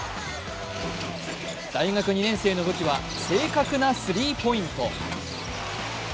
大学２年生の武器は正確なスリーポイント。